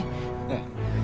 kamu yang apa apaan riri